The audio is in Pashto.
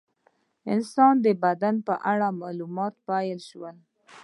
د انسان د بدن په اړه مطالعه پیل شوه.